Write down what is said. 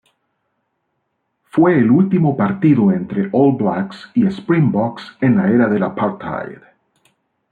Fue el último partido entre All Blacks y Springboks en la era del apartheid.